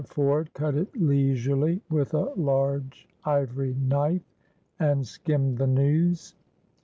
Ford cut it leisurely with a large ivory knife, and skimmed the news.